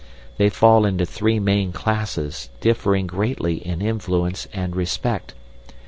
They fall into three main classes differing greatly in influence and respect.